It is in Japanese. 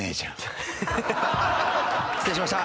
失礼しました！